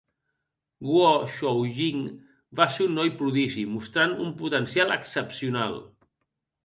Guo Shoujing va ser un noi prodigi, mostrant un potencial excepcional.